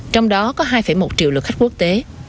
trong đó có hai một triệu lượt khách quốc tế